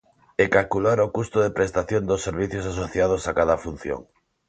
e calcular o custo de prestación dos servicios asociados a cada función.